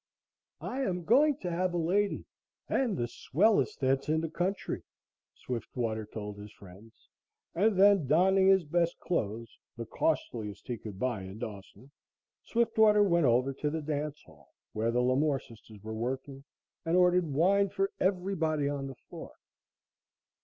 "I am going to have a lady and the swellest that's in the country," Swiftwater told his friends, and then, donning his best clothes, the costliest he could buy in Dawson, Swiftwater went over to the dance hall, where the Lamore sisters were working, and ordered wine for everybody on the floor.